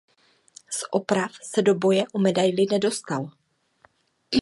Z oprav se do boje o medaili nedostal.